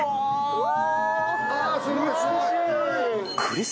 うわ！